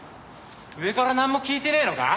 上からなんも聞いてねえのか？